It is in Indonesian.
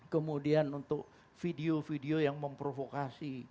kemudian untuk video video yang memprovokasi